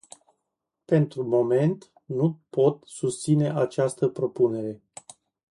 Pentru moment, nu pot susține această propunere.